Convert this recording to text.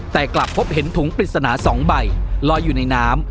แต่กลับพบเห็นถุงปริศนา๒ใบลอยอยู่ในน้ำ